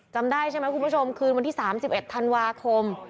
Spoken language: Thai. จำได้ใช่ไหมคุณผู้ชมคืนวันที่๓๑ธันวาคม